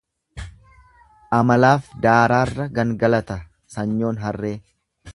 Amalaaf daaraarra gangalata sanyoon harree.